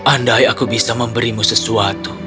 andai aku bisa memberimu sesuatu